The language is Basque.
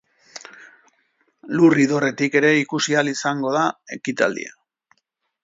Lur idorretik ere ikusi ahal izango da ekitaldia.